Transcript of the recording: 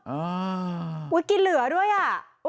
อ้าวเก็บเหลือด้วยอะ